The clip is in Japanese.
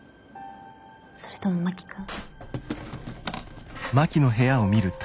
それとも真木君？